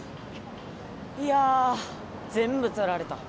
いや全部撮られた